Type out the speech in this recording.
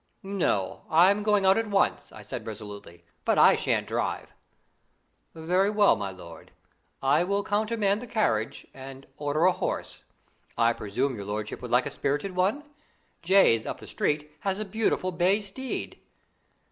"No; I'm going out at once," I said resolutely. "But I shan't drive." "Very well, my lord; I will countermand the carriage, and order a horse. I presume your lordship would like a spirited one? Jayes, up the street, has a beautiful bay steed."